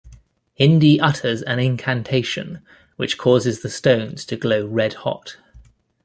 Indy utters an incantation which causes the stones to glow red hot.